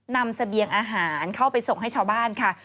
เสบียงอาหารเข้าไปส่งให้ชาวบ้านค่ะ